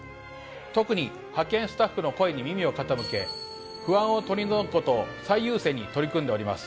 特に派遣スタッフの声に耳を傾け不安を取り除くことを最優先に取り組んでおります。